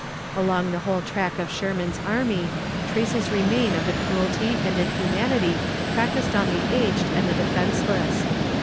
Along the whole track of Sherman's army, traces remain of the cruelty and inhumanity practiced on the aged and the defenseless.